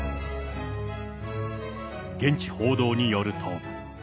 現地報道によると。